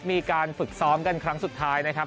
มีการฝึกซ้อมกันครั้งสุดท้ายนะครับ